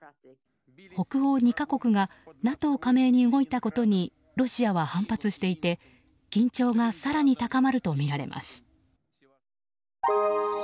北欧２か国がＮＡＴＯ加盟に動いたことにロシアは反発していて緊張が更に高まるとみられます。